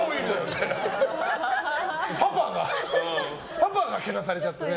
パパがけなされちゃってね。